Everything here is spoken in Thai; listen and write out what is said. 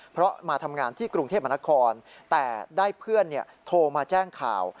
เพราะมาทำงานที่กรุงเทพมนครแต่ได้เพื่อนโทรมาแจ้งข่าว